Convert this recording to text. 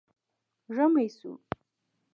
ژمی شو